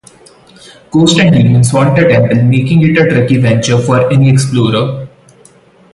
Ghosts and demons haunt the temple making it a tricky venture for any explorer.